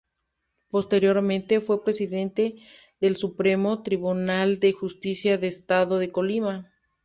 Posteriormente, fue Presidente del Supremo Tribunal de Justicia del Estado de Colima.